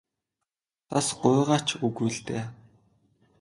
Надаас гуйгаа ч үгүй л дээ.